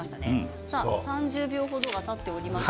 ３０秒程たっています。